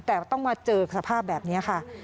แต่ต้องมาเจอสภาพแบบนี้ค่ะ